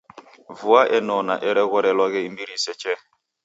Vua enona ereghoreloghe imbiri isechee.